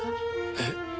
えっ！？